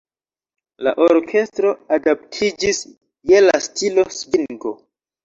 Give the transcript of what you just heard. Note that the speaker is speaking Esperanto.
La orkestro adaptiĝis je la stilo "svingo".